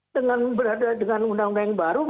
dengan berada dengan undang undang yang baru